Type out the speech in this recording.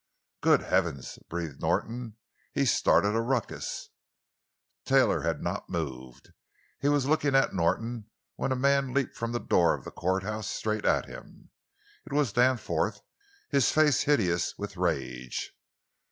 "Good Heavens!" breathed Norton, "he's started a ruckus!" Taylor had not moved. He was looking at Norton when a man leaped from the door of the courthouse, straight at him. It was Danforth, his face hideous with rage.